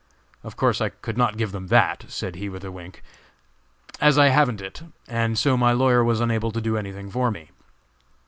Of course I could not give them that," said he with a wink, "as I haven't it; and so my lawyer was unable to do anything for me.